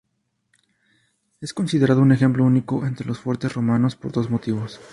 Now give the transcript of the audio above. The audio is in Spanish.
Es considerado un ejemplo único entre los fuertes romanos por dos motivos.